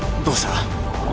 どうした？